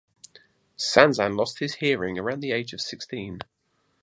Sanzan lost his hearing around the age of sixteen.